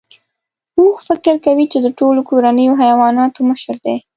اوښ فکر کوي چې د ټولو کورنیو حیواناتو مشر دی.